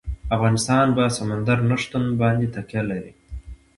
افغانستان په سمندر نه شتون باندې تکیه لري.